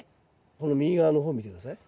この右側の方見て下さい。